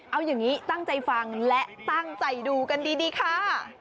เอาอย่างนี้ตั้งใจฟังและตั้งใจดูกันดีค่ะ